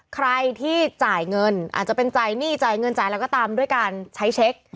ใครที่จ่ายเงินอาจจะเป็นจ่ายหนี้จ่ายเงินจ่ายอะไรก็ตามด้วยการใช้เช็ค